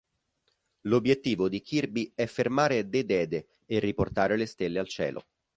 L'obiettivo di Kirby è fermare Dedede e riportare le stelle al cielo.